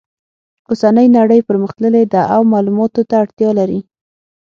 اوسنۍ نړۍ پرمختللې ده او معلوماتو ته اړتیا لري